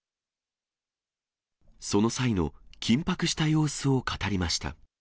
その際の緊迫した様子を語りました。